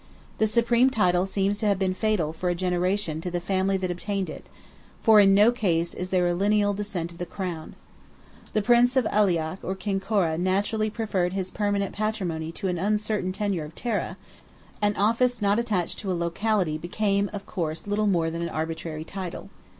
The supreme title seems to have been fatal for a generation to the family that obtained it, for in no case is there a lineal descent of the crown. The prince of Aileach or Kinkora naturally preferred his permanent patrimony to an uncertain tenure of Tara; an office not attached to a locality became, of course, little more than an arbitrary title.